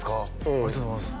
ありがとうございます